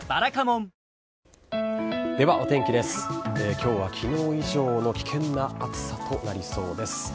今日は昨日以上の危険な暑さとなりそうです。